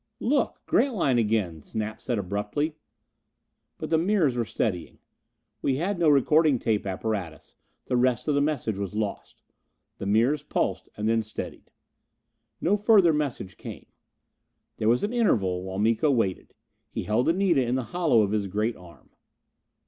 "Look! Grantline again!" Snap said abruptly. But the mirrors were steadying. We had no recording tape apparatus; the rest of the message was lost. The mirrors pulsed and then steadied. No further message came. There was an interval while Miko waited. He held Anita in the hollow of his great arm.